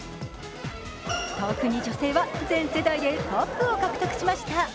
特に女性は全世代でトップを獲得しました。